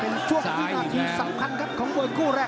เป็นช่วงวินาทีสำคัญครับของมวยคู่แรก